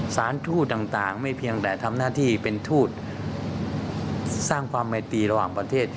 สถานทูตต่างไม่เพียงแต่ทำหน้าที่เป็นทูตสร้างความไมตีระหว่างประเทศ